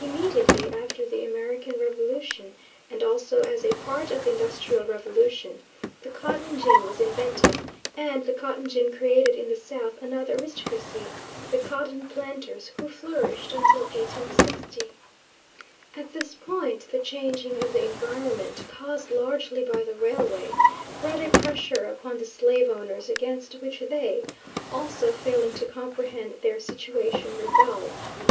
Immediately after the American Revolution and also as a part of the Industrial Revolution, the cotton gin was invented, and the cotton gin created in the South another aristocracy, the cotton planters, who flourished until 1860. At this point the changing of the environment, caused largely by the railway, brought a pressure upon the slave owners against which they, also failing to comprehend their situation, rebelled.